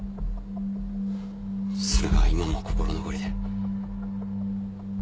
それが今も心残りで。